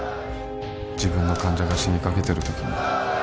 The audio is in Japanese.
自分の患者が死にかけているときに